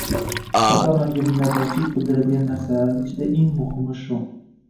Ota-onamga minnatdorchilik bildiradigan narsalarim ichida eng muhimi shu.